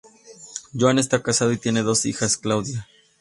Joan está casado y tiene dos hijas; Claudia.